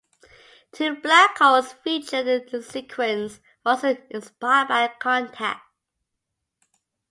Two black holes featured in the sequence were also inspired by "Contact".